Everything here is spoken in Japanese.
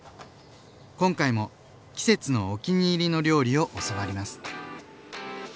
今回も季節のお気に入りの料理を教わります。